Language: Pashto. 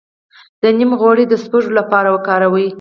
د نیم غوړي د سپږو لپاره وکاروئ